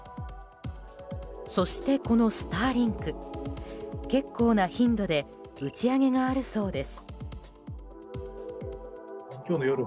そして、このスターリンク結構な頻度で打ち上げがあるそうです。